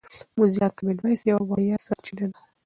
موزیلا کامن وایس یوه وړیا سرچینه ده.